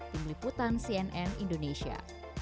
tim liputan cnn indonesia